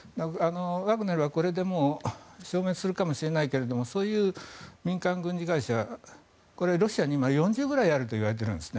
ワグネルは、これでもう消滅するかもしれないけどそういう民間軍事会社がロシアに今４０くらいあるといわれているんですね。